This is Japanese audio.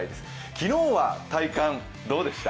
昨日は体感、どうでした？